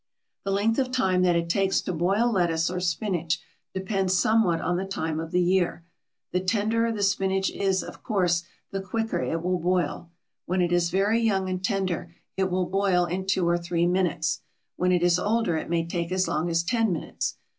The length of time that it takes to boil lettuce or spinach depends somewhat on the time of the year. The tenderer the spinach is, of course, the quicker it will boil; when it is very young and tender it will boil in two or three minutes; when it is older it may take as long as ten minutes.